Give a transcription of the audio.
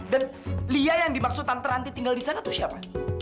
dan lia yang dimaksud tante ranti tinggal di sana tuh siapa